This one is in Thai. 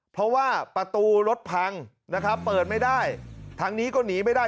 เพราะว่าประตูรถพังนะครับเปิดไม่ได้ทางนี้ก็หนีไม่ได้